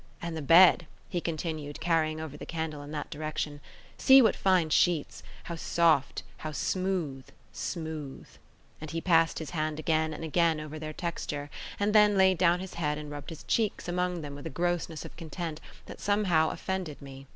And the bed," he continued, carrying over the candle in that direction—"see what fine sheets—how soft, how smooth, smooth;" and he passed his hand again and again over their texture, and then laid down his head and rubbed his cheeks among them with a grossness of content that somehow offended me.